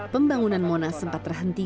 pembangunan monas sempat terhenti